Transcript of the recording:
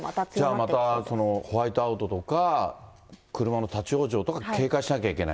じゃあまた、ホワイトアウトとか車の立往生とか、警戒しなきゃいけない？